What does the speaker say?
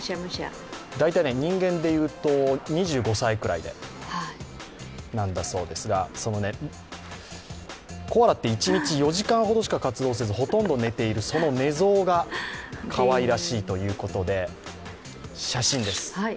大体、人間で言うと２５歳くらいなんだそうですがコアラって一日４時間ほどしか活動せずほとんど寝ている、その寝相がかわいらしいということで写真です。